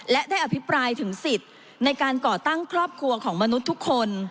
และได้อภิปรายถึงสิทธิ์ในการก่อตั้งครอบครัวของมนุษย์ทุกคน